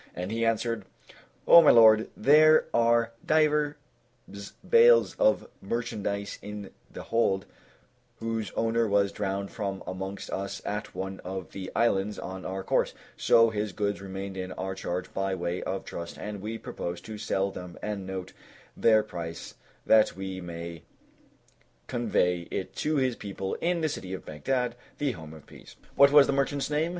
and he answered, "O my lord, there are divers bales of merchandise in the hold, whose owner was drowned from amongst us at one of the islands on our course; so his goods remained in our charge by way of trust, and we propose to sell them and note their price, that we may convey it to his people in the city of Baghdad, the Home of Peace." "What was the merchant's name?"